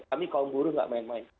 kami kaum buruh tidak main main